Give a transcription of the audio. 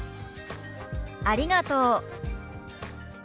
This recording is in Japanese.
「ありがとう」。